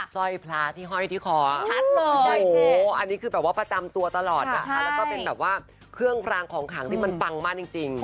ร้อยพระที่ห้อยที่คอชัดเลยโอ้โหอันนี้คือแบบว่าประจำตัวตลอดนะคะแล้วก็เป็นแบบว่าเครื่องรางของขังที่มันปังมากจริง